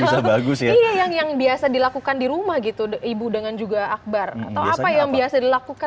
iya yang biasa dilakukan di rumah gitu ibu dengan juga akbar atau apa yang biasa dilakukan